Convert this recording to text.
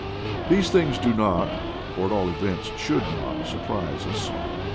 These things do not, or at all events should not, surprise us.